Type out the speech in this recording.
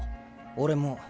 俺も。